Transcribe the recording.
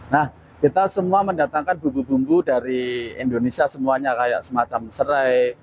nah kita semua mendatangkan bumbu bumbu dari indonesia semuanya kayak semacam serai